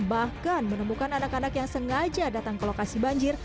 bahkan menemukan anak anak yang sengaja datang ke lokasi banjir